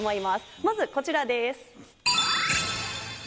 まずこちらです。